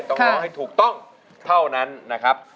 ต้องร้องให้ถูกต้องเท่านั้นนะครับ